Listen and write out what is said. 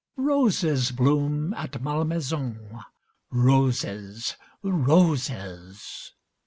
Roses bloom at Malmaison. Roses! Roses!